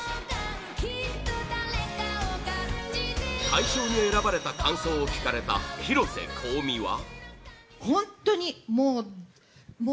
大賞に選ばれた感想を聞かれた広瀬香美は